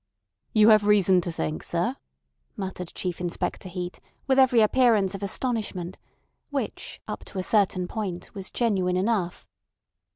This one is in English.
"You have reason to think, sir?" muttered Chief Inspector Heat, with every appearance of astonishment, which up to a certain point was genuine enough.